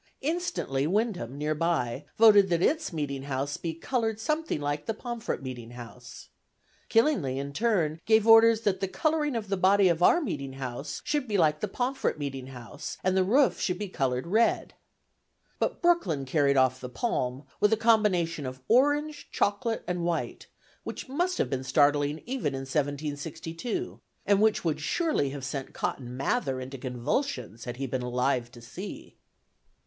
Instantly Windham, near by, voted that its meeting house be "colored something like the Pomfret meeting house." Killingly, in turn, gave orders that "the cullering of the body of our meeting house should be like the Pomfret meeting house, and the Roff shal be cullered Read." But Brooklyn carried off the palm, with a combination of orange, chocolate and white, which must have been startling even in 1762, and which would surely have sent Cotton Mather into convulsions, had he been alive to see.